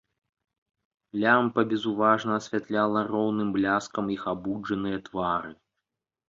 Лямпа безуважна асвятляла роўным бляскам іх абуджаныя твары.